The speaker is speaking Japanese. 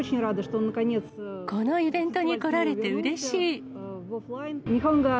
このイベントに来られてうれしい。